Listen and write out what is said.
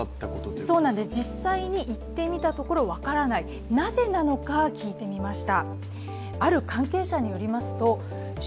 そうなんです、実際に行ってみたところ分からない、なぜなのか、聞いてみました。